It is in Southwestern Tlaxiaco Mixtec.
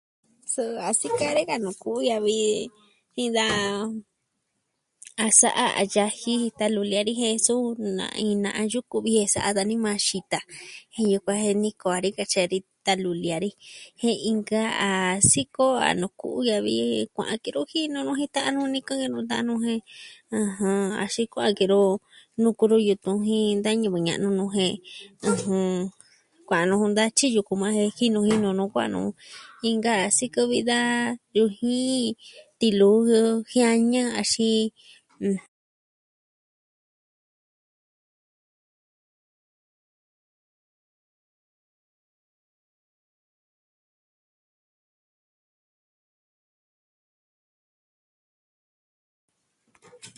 Suu a sikɨ dani ka nuu ku'u ya'a vi da a sa'a a yaji jen sa luli dani jen suu na iin na'a yuku vi ji jen sa'a dani majan xita jen yukuan jen niko dani katyi dani sa luli dani jen inka ka a sikɨ o nuu ku'u ya'a vi kua'an ki nu jinu nu jin ta'an nu, nikɨn ki nu ta'an nu jen axin kua'an ki nu nuku nu yutun jin da ñivɨ ña'nu nu jen kua'an nu da tyiji yuku yukuan jen jinu jinu nu kua'an nu, inka ka a sikɨ vi da yujin tiluu jiañɨ axin...